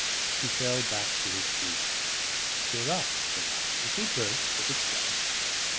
He fell back to his brooding. "Cheer up," said I. "It will burst of itself."